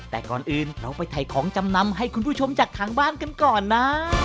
แต่ก่อนอื่นเราไปถ่ายของจำนำให้คุณผู้ชมจากทางบ้านกันก่อนนะ